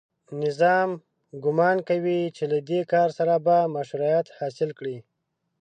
نظام ګومان کوي چې له دې کار سره به مشروعیت حاصل کړي